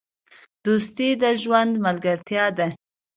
دوستي د ژوند ملګرتیا ده.